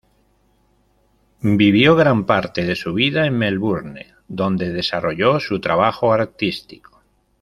Vivió gran parte de su vida en Melbourne, donde desarrolló su trabajo artístico.